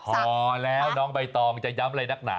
พอแล้วน้องใบตองจะย้ำอะไรนักหนา